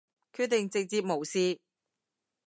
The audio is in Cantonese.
決定直接無視